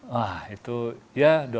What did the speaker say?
wah itu ya doa